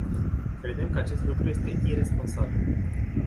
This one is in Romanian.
Credem că acest lucru este iresponsabil.